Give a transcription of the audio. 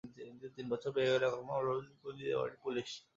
কিন্তু তিন বছর পেরিয়ে গেলেও এখনো মামলার অভিযোগপত্র দিতে পারেনি পুলিশ।